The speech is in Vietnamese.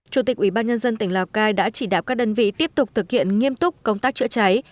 chủ tịch ubnd tỉnh lào cai đã chỉ đạo các đơn vị tiếp tục thực hiện nghiêm túc công tác chữa cháy